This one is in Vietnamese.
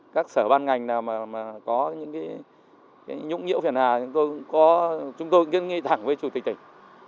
các sở ban ngành nào có những nhũng nhiễu phiền hà thì chúng tôi cũng kiến nghị thẳng với chủ tịch tỉnh